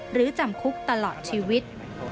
หรือจำคุกตลอดชีวิต